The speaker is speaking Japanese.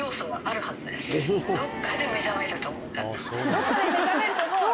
「どこかで目覚めると思う」